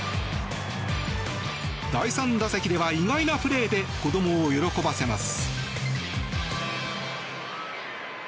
第３打席では意外なプレーで子どもを喜ばせます。